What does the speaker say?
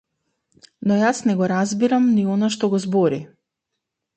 Но јас не го разбирам ни она што го збори!